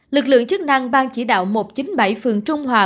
lực lượng chức năng ban chỉ đạo một trăm chín mươi bảy phường trung hòa